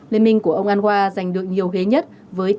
liên minh của ông anwar giành được nhiều ghế nhất với tám mươi hai ghế